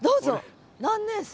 何年生？